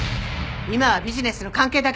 今はビジネスの関係だけです。